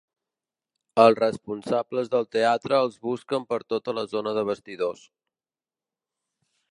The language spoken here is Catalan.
Els responsables del teatre els busquen per tota la zona de bastidors.